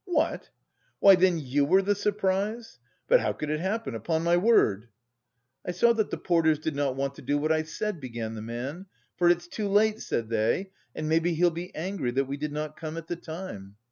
"What? Why, then you were the surprise? But how could it happen? Upon my word!" "I saw that the porters did not want to do what I said," began the man; "for it's too late, said they, and maybe he'll be angry that we did not come at the time.